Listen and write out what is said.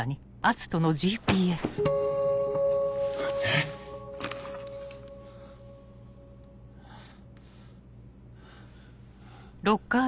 えっ？